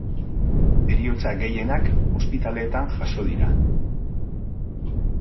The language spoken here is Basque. Heriotza gehienak ospitaleetan jazo dira.